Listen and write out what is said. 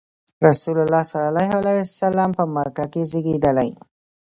رسول الله ﷺ په مکه کې زېږېدلی.